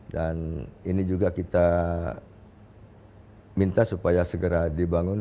dan ini juga kita minta supaya segera dibangun